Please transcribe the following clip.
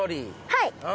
はい。